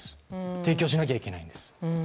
提供しなきゃいけないんです。